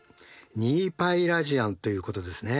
２πラジアンということですね。